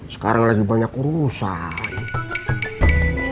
sekarang lagi banyak urusan